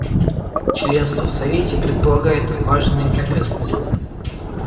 Членство в Совете предполагает важные обязанности.